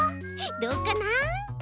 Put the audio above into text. どうかな？